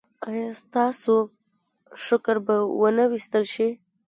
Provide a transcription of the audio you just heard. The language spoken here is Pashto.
ایا ستاسو شکر به و نه ویستل شي؟